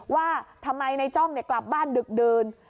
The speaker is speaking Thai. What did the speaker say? ว่าทำไมในจ้องกลับบ้านดึกดื่น